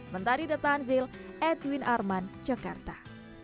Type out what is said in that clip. mentari the tanzil edwin arman jakarta